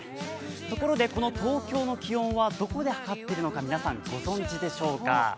ところで、この東京の気温はどこで測っているのか皆さんご存じでしょうか。